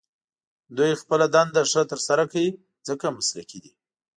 دوی خپله دنده ښه تر سره کوي، ځکه مسلکي دي.